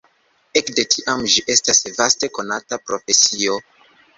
Ekde tiam ĝi estas vaste konata profesio.